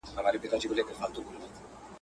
بولي یې د خدای آفت زموږ د بد عمل سزا.